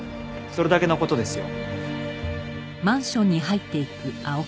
それだけの事ですよ。